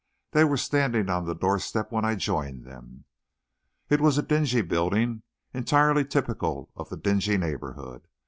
They were standing on the door step when I joined them. It was a dingy building, entirely typical of the dingy neighbourhood.